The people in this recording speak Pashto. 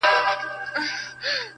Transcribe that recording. پرېږده دا زخم زړه ـ پاچا وویني.